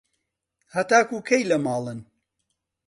هەتاکوو کەی لە ماڵن؟